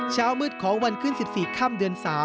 เช้ามืดของวันขึ้น๑๔ค่ำเดือน๓